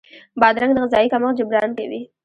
بادرنګ د غذايي کمښت جبران کوي.